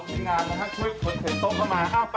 เอาเอายังอ่ะ